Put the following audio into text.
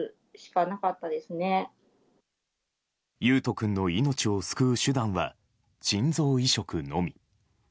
維斗君の命を救う手段は心臓移植のみ。